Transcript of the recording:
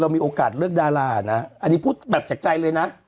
มีโอกาสเลือกดารานะอันนี้พูดแบบจากใจเลยนะ